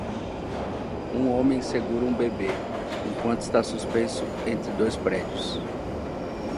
Um homem segura um bebê enquanto está suspenso entre dois prédios.